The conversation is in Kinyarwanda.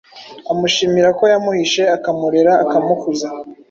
amushimira ko yamuhishe akamurera akamukuza;